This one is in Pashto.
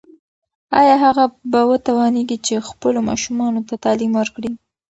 ایا هغه به وتوانیږي چې خپلو ماشومانو ته تعلیم ورکړي؟